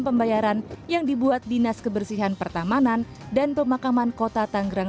pembayaran yang dibuat dinas kebersihan pertamanan dan pemakaman kota tanggerang